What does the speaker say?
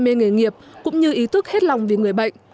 mê nghề nghiệp cũng như ý thức hết lòng vì người bệnh